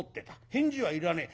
返事はいらねえ。